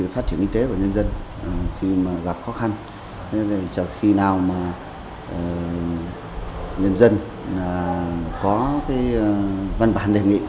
phát triển y tế của nhân dân khi gặp khó khăn khi nào mà nhân dân có văn bản đề nghị